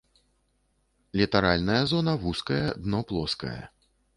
Літаральная зона вузкая, дно плоскае.